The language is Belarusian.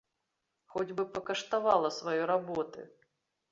Хоць бы пакаштавала сваёй работы!